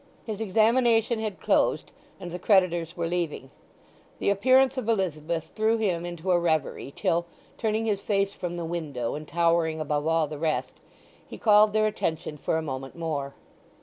His examination had closed, and the creditors were leaving. The appearance of Elizabeth threw him into a reverie, till, turning his face from the window, and towering above all the rest, he called their attention for a moment more.